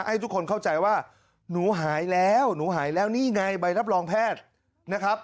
ให้ทุกคนเข้าใจว่าหนูหายแล้วหนูหายแล้วนี่ไงใบรับรองแพทย์นะครับ